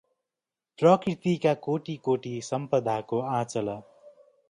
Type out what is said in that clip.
प्रकृतिका कोटी-कोटी सम्पदाको आंचल